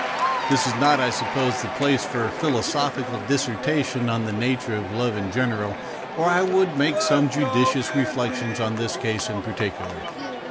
This is not, I sup pose, the place for a philosophical disserta tion on the nature of love in general, or I would make some judicious reflections on this case in particular.